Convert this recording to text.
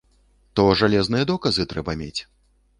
То жалезныя доказы трэба мець.